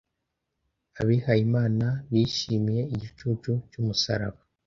abihayimana bishimiye igicucu cy'umusaraba